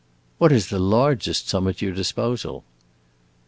"What is the largest sum at your disposal?"